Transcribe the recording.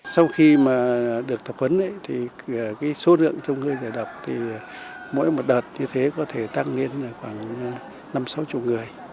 sau khi được thập huấn số lượng trung tâm giải đọc mỗi một đợt như thế có thể tăng lên khoảng năm sáu mươi người